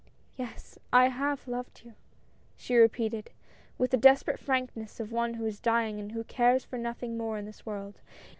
"Yes, I have loved you," she repeated, with the desperate frankness of one who is dying and who cares for nothing more in this world.